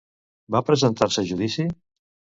Va presentar-se a judici?